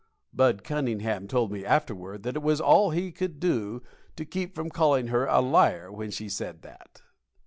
(Bud Cunningham told me afterward that it was all he could do to keep from calling her a liar when she said that.)